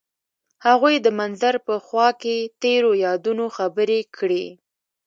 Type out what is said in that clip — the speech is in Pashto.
هغوی د منظر په خوا کې تیرو یادونو خبرې کړې.